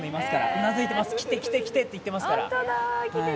うなずいてます、来て来てと言ってますから。